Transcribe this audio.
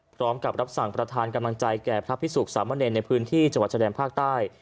พร้อมกับรับสั่งประธานกำลังใจแก่พระพิสุขสามเณรในพื้นที่จังหวัดชะแดนภาคใต้